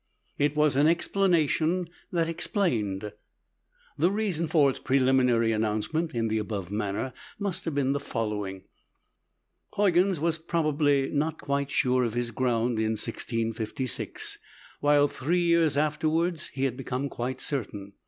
It was an explanation that explained. The reason for its preliminary announcement in the above manner must have been the following: Huygens was probably not quite sure of his ground in 1656, while three years afterward he had become quite certain.